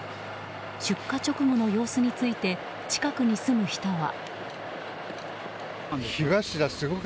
出火直後の様子について近くに住む人は。